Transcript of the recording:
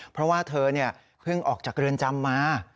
เพราะว่าเธอเพิ่งออกจากเรือนจำมา